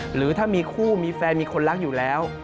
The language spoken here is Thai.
หรือถ้ามีคู่มีแฟนมีคนรักอยู่แล้ว